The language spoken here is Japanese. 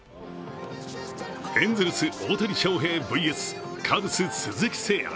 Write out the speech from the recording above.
エンゼルス・大谷翔平ＶＳカブス・鈴木誠也。